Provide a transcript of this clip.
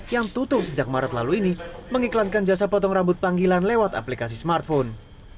yang tutup sejak maret lalu ini mengiklankan jasa potong rambut panggilan lewat aplikasi smartphone